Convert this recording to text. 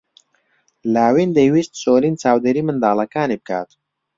لاوین دەیویست سۆلین چاودێریی منداڵەکانی بکات.